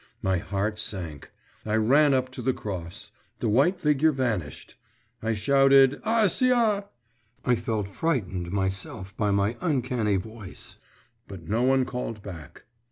My heart sank … I ran up to the cross; the white figure vanished. I shouted 'Acia!' I felt frightened myself by my uncanny voice, but no one called back.